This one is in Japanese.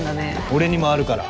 「俺にもあるから。